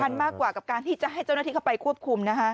มากกว่ากับการที่จะให้เจ้าหน้าที่เข้าไปควบคุมนะคะ